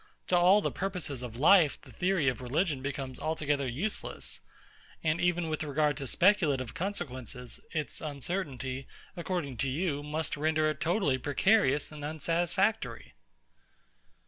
To all the purposes of life the theory of religion becomes altogether useless: and even with regard to speculative consequences, its uncertainty, according to you, must render it totally precarious and unsatisfactory.